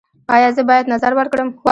ایا زه باید نذر ورکړم؟